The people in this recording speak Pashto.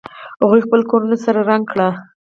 هغوی خپل کورونه سره رنګ کړي